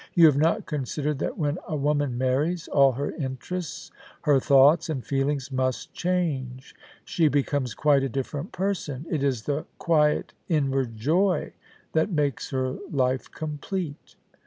You have not considered that when a woman marries, all her interests, her thoughts, and feelings must change. She becomes quite a different person. It is the quiet, inward joy that makes her life complete.